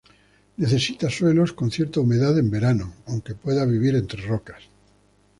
Necesita suelos con cierta humedad en verano, aunque puede vivir entre rocas.